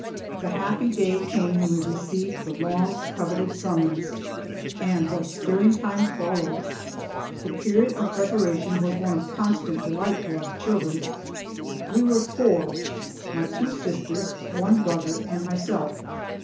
The happy day came when we received the long coveted summons. And what stirring times followed! The period of preparation was one of constant delight to us children. We were four my two sisters, one brother and myself.